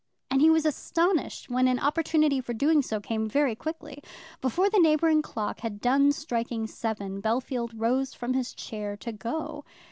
And he was astonished when an opportunity for doing so came very quickly. Before the neighbouring clock had done striking seven, Bellfield rose from his chair to go.